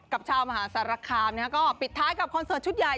กับชาวมหาสารคามก็ปิดท้ายกับคอนเสิร์ตชุดใหญ่